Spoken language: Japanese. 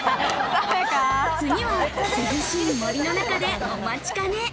次は涼しい森の中でお待ちかね。